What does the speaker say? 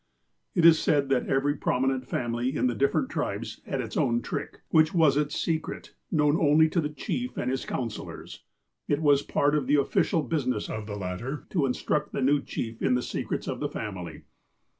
It is said that every prominent family in the different tribes had its own trick, which was its secret, known only to the chief and his counsellors. It was part of the official business of the latter to instruct the new chief in the secrets of the family.